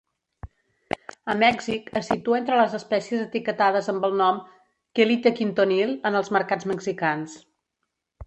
A Mèxic, es situa entre les espècies etiquetades amb el nom "Quelite quintonil" en els mercats mexicans.